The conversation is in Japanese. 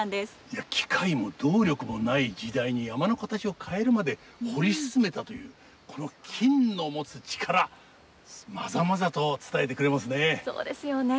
いや機械も動力もない時代に山の形を変えるまで掘り進めたというこの金の持つ力まざまざと伝えてくれますね。